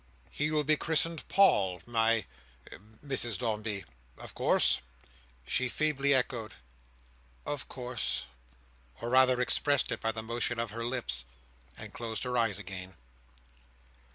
"He will be christened Paul, my—Mrs Dombey—of course." She feebly echoed, "Of course," or rather expressed it by the motion of her lips, and closed her eyes again.